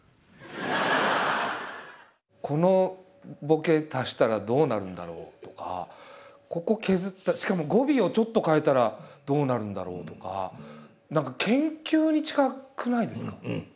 このボケ足したらどうなるんだろう？とかここを削ったらしかも語尾をちょっと変えたらどうなるんだろう？とか何かうん。